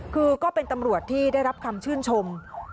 คือก็เป็นตำรวจที่ได้รับคำชื่นชม